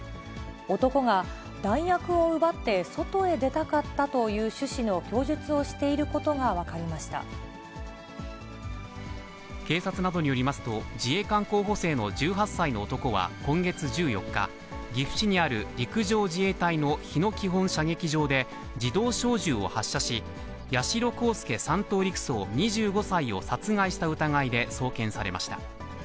男が、弾薬を奪って外へ出たかったという趣旨の供述をしていることが分警察などによりますと、自衛官候補生の１８歳の男は今月１４日、岐阜市にある陸上自衛隊の日野基本射撃場で、自動小銃を発射し、八代航佑３等陸曹２５歳を殺害した疑いで送検されました。